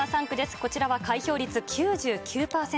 こちらは開票率９９％。